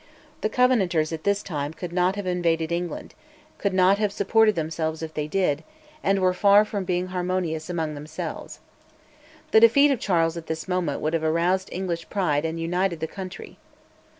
The Covenanters at this time could not have invaded England, could not have supported themselves if they did, and were far from being harmonious among themselves. The defeat of Charles at this moment would have aroused English pride and united the country.